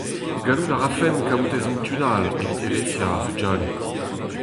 Gallout a rafemp kaout ezhomm tud all evit evezhiañ ar vugale.